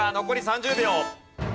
残り３０秒。